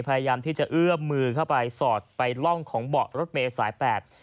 พยายามที่จะเอื้อมมือเข้าไปสอดไปล่องของเบาะรถเมย์สายแปด